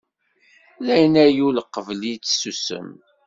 Dayen a yul qbel-itt sussem.